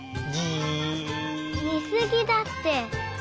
みすぎだって！